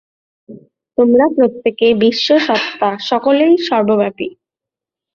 তোমরা প্রত্যেকেই বিশ্ব-সত্তা, সকলেই সর্বব্যাপী।